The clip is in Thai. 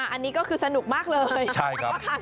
อันนี้ก็คือสนุกมากเลยใช่ครับ